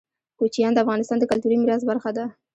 کوچیان د افغانستان د کلتوري میراث برخه ده.